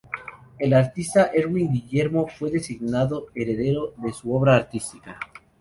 El artista Erwin Guillermo fue designado heredero de su obra artística.